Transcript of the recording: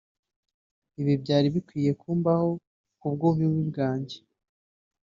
« Ibi byari bikwiye kumbaho kubw’ububi bwanjye »